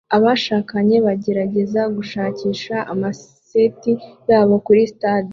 Abashakanye bagerageza gushakisha amaseti yabo kuri stade